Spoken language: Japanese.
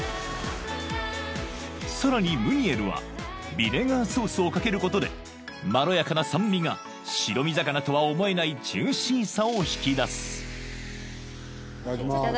［さらにムニエルはビネガーソースを掛けることでまろやかな酸味が白身魚とは思えないジューシーさを引き出す］いただきます。